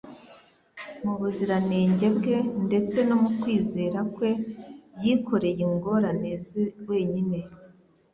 Mu buziranenge bwe ndetse no mu kwizera kwe, Yikoreye ingorane Ze wenyine,